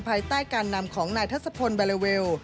ภายใต้การนำของนายทัศพลบาลาเวล